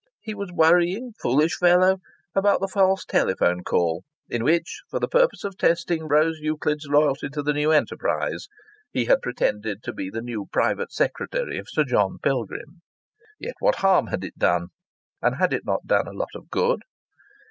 He was worrying, foolish fellow, about the false telephone call in which, for the purpose of testing Rose Euclid's loyalty to the new enterprise, he had pretended to be the new private secretary of Sir John Pilgrim. Yet what harm had it done? And had it not done a lot of good?